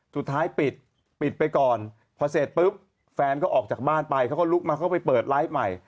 สุดท้ายปิดปิดไปก่อนพอเสร็จปุ๊บแฟนก็ออกจากบ้านไปเขาก็ลุกมาเขาไปเปิดไลฟ์ใหม่